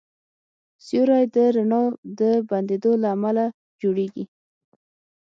سیوری د رڼا د بندېدو له امله جوړېږي.